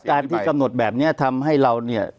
การที่กำหนดแบบนี้ทำให้เราเนี่ย